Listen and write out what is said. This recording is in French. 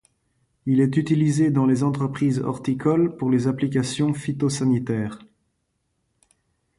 Il est utilisé dans les entreprises horticoles pour les applications phytosanitaires.